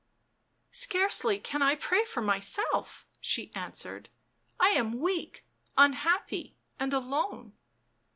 " Scarcely can I pray for myself," she answered. " I am weak, unhappy and alone.